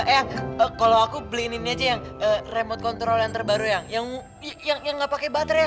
eh kalau aku beli ini aja yang remote control yang terbaru yang nggak pakai baterai